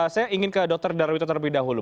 saya ingin ke dr darwito terlebih dahulu